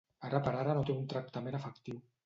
Ara per ara no té un tractament efectiu.